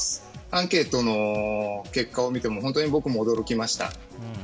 アンケートの結果を見ても本当に僕も驚きました。